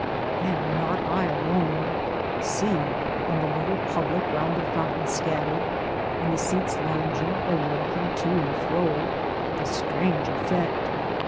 And not I alone, See ! on the little public round the fountain scattered — on the seats lounging, or walking to and fro — the strange effect